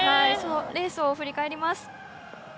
レースを振り返ります。